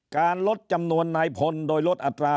ลดจำนวนนายพลโดยลดอัตรา